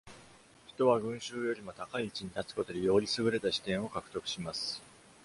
人は群衆よりも高い位置に立つことで、より優れた視点を獲得します。